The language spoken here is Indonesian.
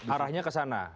arahnya ke sana